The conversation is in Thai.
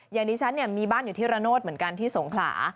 อย่างนี้ฉันเนี่ยมีบ้านอยู่ที่ระโนธเหมือนกันที่สงขลา